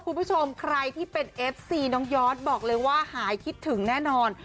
คุณผู้ชมใครที่เป็นเอฟซีน้องยอดบอกเลยว่าหายคิดถึงแน่นอน